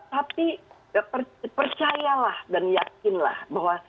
tapi percayalah dan yakinlah bahwa